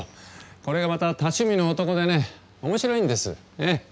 これがまた多趣味の男でね面白いんです。